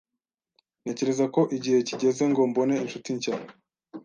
Ntekereza ko igihe kigeze ngo mbone inshuti nshya.